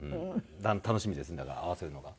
楽しみですだから会わせるのが。